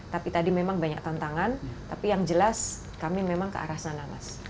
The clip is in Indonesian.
tapi tadi memang banyak tantangan tapi yang jelas kami memang ke arah sana mas